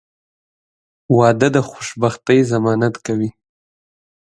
• واده د خوشبختۍ ضمانت کوي.